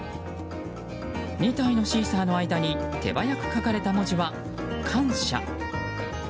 ２体のシーサーの間に手早く書かれた文字は感謝。